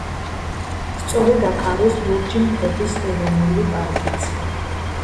სწორედ აქ არის ლურჯი მთების ეროვნული პარკიც.